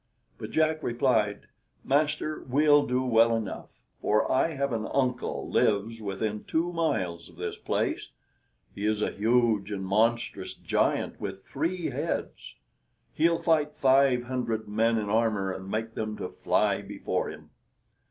But Jack replied, "Master, we'll do well enough, for I have an uncle lives within two miles of this place; he is a huge and monstrous giant with three heads; he'll fight five hundred men in armor, and make them to fly before him."